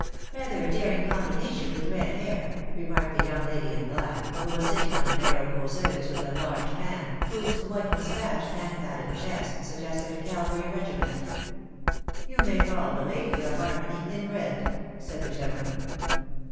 "Rather a daring combination with red hair," re marked the young lady in black, who was sitting on a narrow causeuse with a large man, whose white moustache and padded chest suggested a cavalry regiment. "You may call the lady a harmony in red," said the gentleman.